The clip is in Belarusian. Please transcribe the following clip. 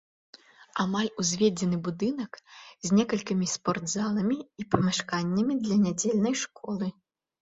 Амаль узведзены будынак, з некалькімі спортзаламі і памяшканнямі для нядзельнай школы.